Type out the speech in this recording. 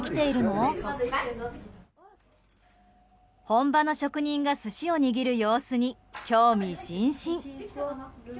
本場の職人が寿司を握る様子に興味津々。